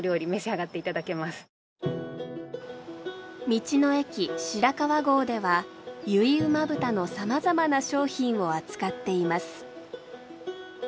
道の駅白川郷では結旨豚のさまざまな商品を扱っています。